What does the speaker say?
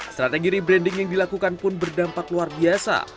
strategi rebranding yang dilakukan pun berdampak luar biasa